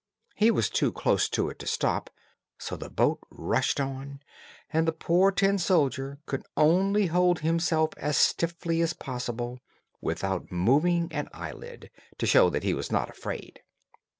He was too close to it to stop, so the boat rushed on, and the poor tin soldier could only hold himself as stiffly as possible, without moving an eyelid, to show that he was not afraid.